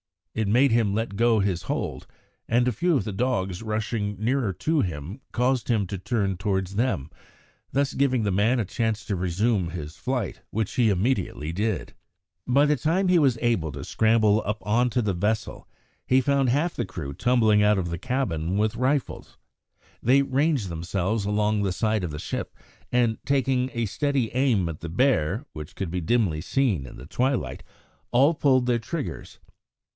It made him let go his hold, and a few of the dogs rushing nearer to him caused him to turn towards them, thus giving the man a chance to resume his flight, which he immediately did. By the time he was able to scramble up on to the vessel he found half of the crew tumbling out of the cabin with rifles. They ranged themselves along the side of the ship, and taking a steady aim at the bear, which could be dimly seen in the twilight, all pulled their triggers.